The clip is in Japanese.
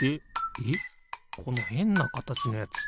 えっこのへんなかたちのやつ